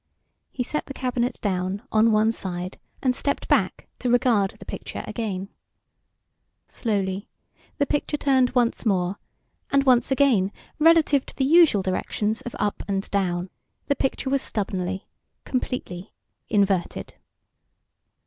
He set the cabinet down, on one side, and stepped back, to regard the picture again. Slowly, the picture turned once more, and once again, relative to the usual directions of up and down, the picture was stubbornly, completely inverted.